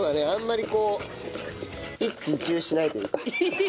あんまりこう。